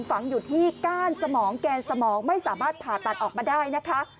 ฝังอยู่ที่ก้านสมองแกนสมองไม่สามารถผ่าตัดออกมาได้นะคะ